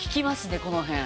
この辺。